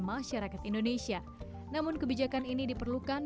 masyarakat indonesia namun kebijakan ini diperlukan